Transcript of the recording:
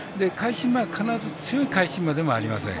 必ず強い返し馬でもありません。